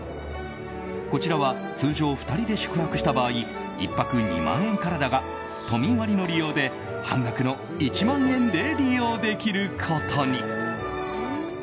こちらは通常２人で宿泊した場合１泊２万円からだが都民割の利用で半額の１万円で利用できることに。